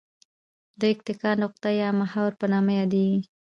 د اتکا نقطه یا محور په نامه یادیږي.